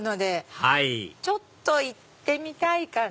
はいちょっと行ってみたいかな。